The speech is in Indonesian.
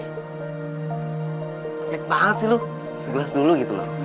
komplit banget sih lo segelas dulu gitu loh